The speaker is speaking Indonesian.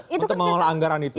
untuk mengelola anggaran itu